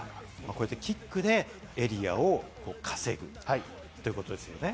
キックでエリアを稼ぐということですね。